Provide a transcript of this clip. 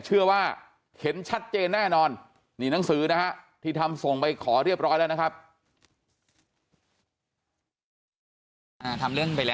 เชื่อว่าเห็นชัดเจนแน่นอนนี่หนังสือนะฮะที่ทำส่งไปขอเรียบร้อยแล้วนะครับ